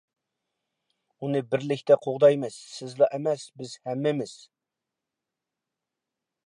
-ئۇنى بىرلىكتە قوغدايمىز. سىزلا ئەمەس، بىز ھەممىمىز!